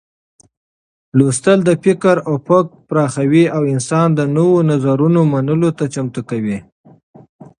لوستل د فکر افق پراخوي او انسان د نوو نظرونو منلو ته چمتو کوي.